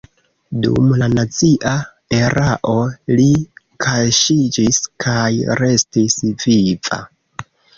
Dum la nazia erao li kaŝiĝis kaj restis viva.